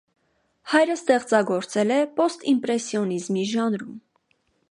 Հայրը ստեղծագործել է պոստիմպրեսիոնիզմ ժանրում։